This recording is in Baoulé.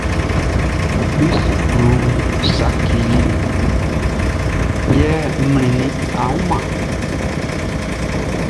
Mi suklu saci ya mlinnin, a wunman?